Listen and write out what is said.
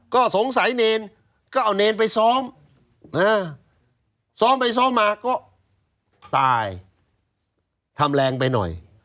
ก็สงสัยเนรก็เอาเนรไปซ้อมซ้อมไปซ้อมมาก็ตายทำแรงไปหน่อย